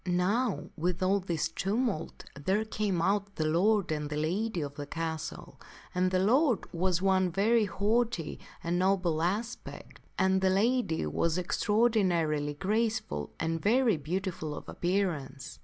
Now with all this tumult, there came out the lord and the lady of that castle ; and the lord was one of very haughty and noble aspect, and the lady was extraordinarily graceful and very beautiful of appearance.